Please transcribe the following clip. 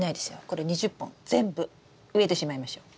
これ２０本全部植えてしまいましょう。